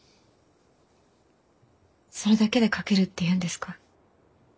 それだけで書けるっていうんですか？